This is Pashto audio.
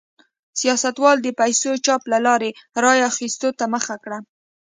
سیاستوالو د پیسو چاپ له لارې رایو اخیستو ته مخه کړه.